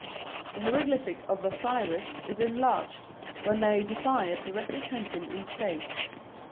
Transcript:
The hieroglyphic of Osiris is enlarged when they desire to represent him in state.